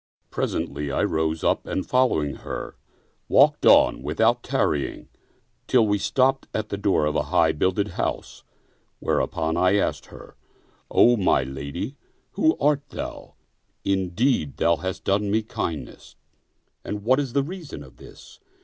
Presently I rose up and fol lowing her, walked on, without tarrying, till we stopped at the door of a high builded house, whereupon I asked her, 56 Told by the Constable "O my lady, who art thou? Indeed, thou hast done me kindness, and what is the reason of this